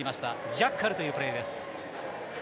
ジャッカルというプレーです。